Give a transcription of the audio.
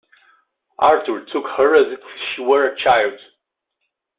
Arthur took her as if she were a child.